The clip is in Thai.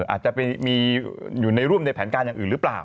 อาจจะไปมีอยู่ในร่วมในแผนการอย่างอื่นหรือเปล่า